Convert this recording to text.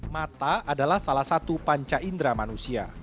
mata adalah salah satu panca indera manusia